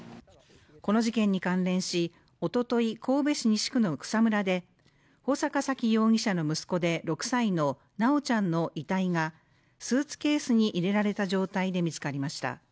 この事件に関連し、一昨日神戸市西区の草むらで穂坂沙喜容疑者の息子で、６歳の修ちゃんの遺体がスーツケースに入れられた状態で見つかりました。